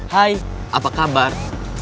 hai apa kabar